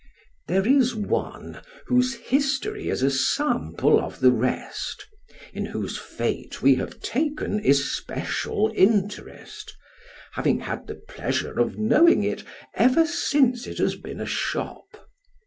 There is one, whose history is a sample of the rest, in whose fate we have taken especial interest, having had the pleasure of knowing it ever since it has been a shop.